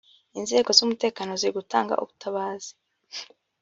Inzego z’umutekano ziri gutanga ubutabazi